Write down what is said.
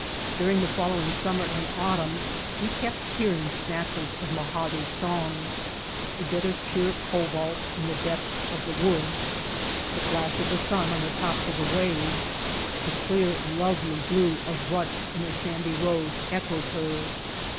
During the follow ing summer and autumn we kept hearing snatches of Mojave's songs. A bit of pure cobalt in the depths of the woods, the flash of the sun on the tops of waves, the clear lovely blue of ruts in a sandy road echoed her.